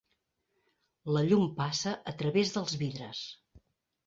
La llum passa a través dels vidres.